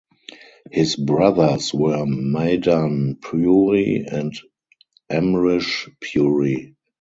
His brothers were Madan Puri and Amrish Puri.